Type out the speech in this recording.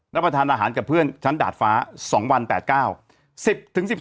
ประทานอาหารกับเพื่อนชั้นดาดฟ้า๒วัน๘๙